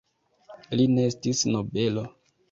Li ne estis nobelo.